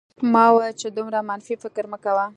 ما وویل چې دومره منفي فکر مه کوه